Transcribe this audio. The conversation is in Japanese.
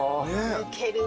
抜けるわ。